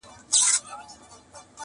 باد صبا د خدای لپاره!!